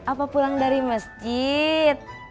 apa pulang dari masjid